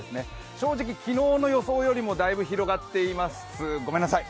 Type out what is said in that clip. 正直、昨日の予想よりもだいぶ広がっています、ごめんなさい。